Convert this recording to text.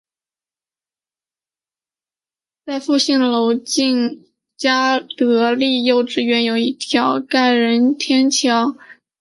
在富信楼近嘉德丽幼稚园有一条有盖行人天桥连接富山邨及琼山苑。